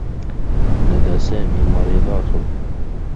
لدى سامي مريضات.